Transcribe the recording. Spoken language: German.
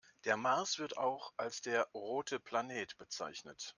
Der Mars wird auch als der „rote Planet“ bezeichnet.